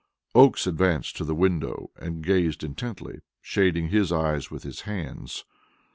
Oakes advanced to the window and gazed intently, shading his eyes with his hands.